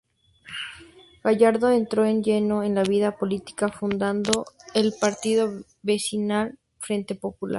Gallardo entró de lleno en la vida política fundando el partido vecinal Frente Popular.